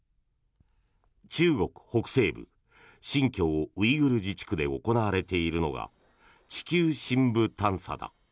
中国北西部新疆ウイグル自治区で行われているのが地球深部探査だ。